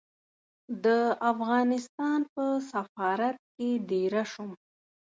د افغانستان په سفارت کې دېره شوم.